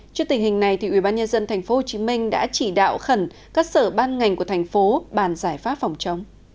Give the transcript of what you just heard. trước tình hình này ubnd tp hcm đã chỉ đạo khẩn các sở ban ngành của thành phố bàn giải pháp phòng chống